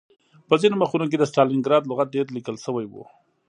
په ځینو مخونو کې د ستالنګراډ لغت ډېر لیکل شوی و